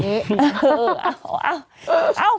เออเอ้าเอ้า